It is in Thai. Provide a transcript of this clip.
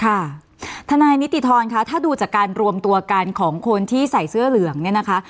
ทนายนิติธรคะถ้าดูจากการรวมตัวกันของคนที่ใส่เสื้อเหลืองเนี่ยนะคะ